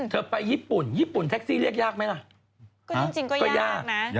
เธอไปญี่ปุ่นญี่ปุ่นแท็กซี่เรียกยากไหมล่ะ